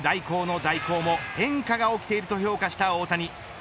監督代行の代行も変化が起きていると評価した大谷。